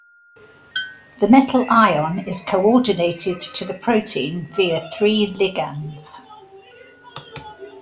The metal ion is coordinated to the protein via three ligands.